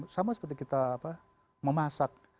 sama seperti kita memasak